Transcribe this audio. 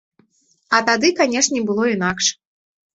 А тады, канешне было інакш.